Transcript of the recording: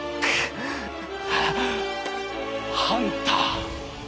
ハンター。